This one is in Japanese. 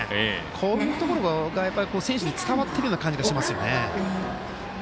こういうところが、選手に伝わっているような感じがします。